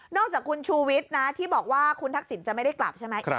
จากคุณชูวิทย์นะที่บอกว่าคุณทักษิณจะไม่ได้กลับใช่ไหม